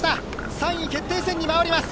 ３位決定戦に回ります。